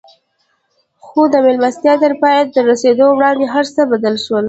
خو د مېلمستيا تر پای ته رسېدو وړاندې هر څه بدل شول.